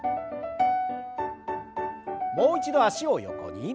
もう一度脚を横に。